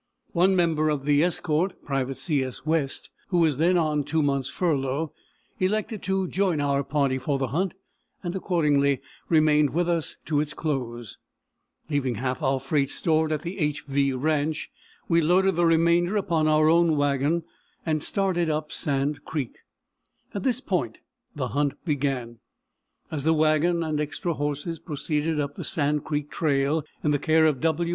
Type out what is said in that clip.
One member of the escort, Private C. S. West, who was then on two months' furlough, elected to join our party for the hunt, and accordingly remained with us to its close. Leaving half of our freight stored at the =HV= ranch, we loaded the remainder upon our own wagon, and started up Sand Creek. [Illustration: SKETCH MAP OF THE HUNT FOR BUFFALO. MONTANA 1886.] At this point the hunt began. As the wagon and extra horses proceeded up the Sand Creek trail in the care of W.